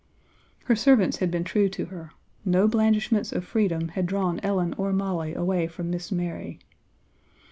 Her servants had been true to her; no blandishments of freedom had drawn Ellen or Molly away from 'Miss Mary.'